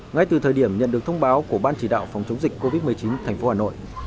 ngay từ thời điểm nhận được thông báo của ban chỉ đạo phòng chống dịch covid một mươi chín thành phố hà nội